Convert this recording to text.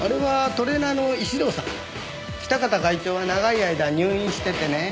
喜多方会長は長い間入院しててねぇ。